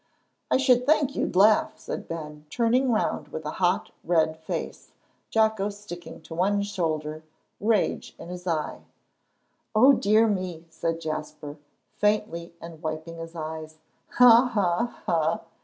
"I should think you'd laugh," said Ben, turning round with a hot, red face, Jocko sticking to one shoulder, rage in his eye. "O dear me!" said Jasper, faintly, and wiping his eyes. "Ha! Ha! Ha!"